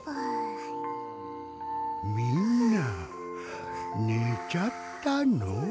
みんなねちゃったの？